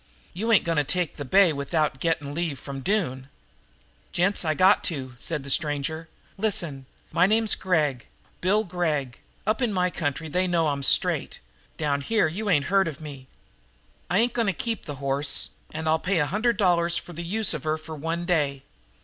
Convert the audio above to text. "You ain't going to take the bay without getting leave from Doone?" "Gents, I got to," said the stranger. "Listen! My name's Gregg, Bill Gregg. Up in my country they know I'm straight; down here you ain't heard of me. I ain't going to keep that hoss, and I'll pay a hundred dollars for the use of her for one day.